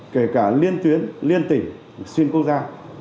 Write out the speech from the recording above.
kể cả liên tuyến liên tỉnh xuyên quốc gia